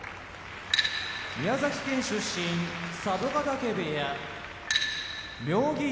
宮崎県出身佐渡ヶ嶽部屋妙義龍